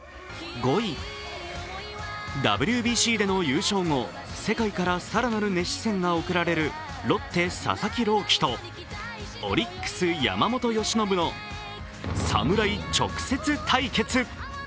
ＷＢＣでの優勝後、世界から更なる熱視線が送られるロッテ・佐々木朗希とオリックス・山本由伸の侍直接対決。